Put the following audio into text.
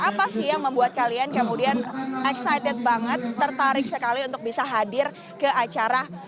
apa sih yang membuat kalian kemudian excited banget tertarik sekali untuk bisa hadir ke acara